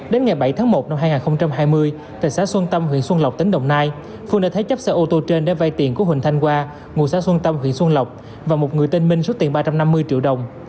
đến ngày bảy tháng một năm hai nghìn hai mươi tại xã xuân tâm huyện xuân lộc tỉnh đồng nai phương đã thế chấp xe ô tô trên để vay tiền của huỳnh thanh qua ngụ xã xuân tâm huyện xuân lộc và một người tên minh số tiền ba trăm năm mươi triệu đồng